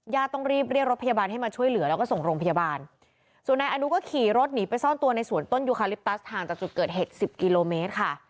ต้องรีบเรียกรถพยาบาลให้มาช่วยเหลือแล้วก็ส่งโรงพยาบาลส่วนนายอนุก็ขี่รถหนีไปซ่อนตัวในสวนต้นยูคาลิปตัสห่างจากจุดเกิดเหตุสิบกิโลเมตรค่ะ